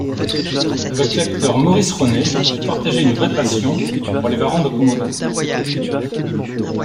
Avec l'acteur Maurice Ronet, il partageait une vraie passion pour les varans de Komodo.